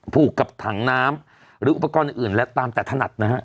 ผูกกับถังน้ำหรืออุปกรณ์อื่นและตามแต่ถนัดนะฮะ